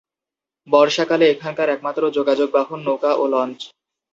বর্ষাকালে এখানকার একমাত্র যোগাযোগ বাহন নৌকা ও লঞ্চ।